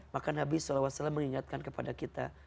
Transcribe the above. maka nabi saw mengingatkan kepada kita